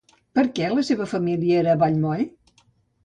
Per què la seva família era a Vallmoll?